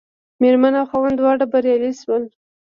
مېرمن او خاوند دواړه بریالي شول.